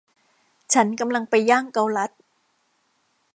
ฉันกำลังไปย่างเกาลัด